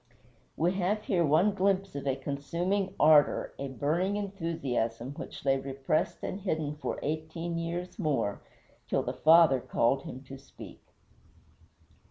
We have here one glimpse of a consuming ardor, a burning enthusiasm, which lay repressed and hidden for eighteen years more, till the Father called him to speak.